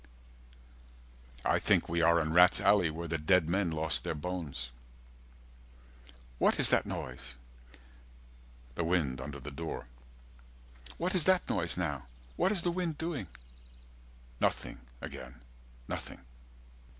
I think we are in rats' alley Where the dead men lost their bones. "What is that noise?" The wind under the door. "What is that noise now? What is the wind doing?" Nothing again nothing.